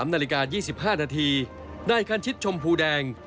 นาฬิกา๒๕นาทีนายคันชิดชมพูแดง